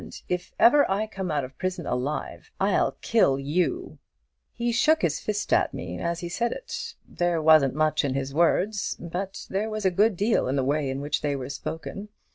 If ever I come out of prison alive, I'll kill you!'" "He shook his fist at me as he said it. There wasn't much in the words, but there was a good deal in the way in which they were spoken.